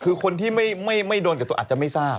คือคนที่ไม่โดนกับตัวอาจจะไม่ทราบ